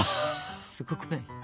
すごくない？